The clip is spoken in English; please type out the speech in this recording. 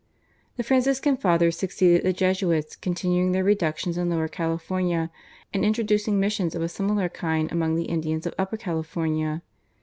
The Franciscan Fathers succeeded the Jesuits, continuing their reductions in Lower California, and introducing missions of a similar kind among the Indians of Upper California.